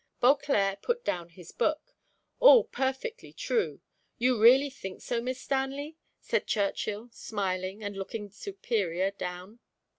Beauclerc put down his book. "All perfectly true! You really think so, Miss Stanley?" said Churchill, smiling, and looking superior down.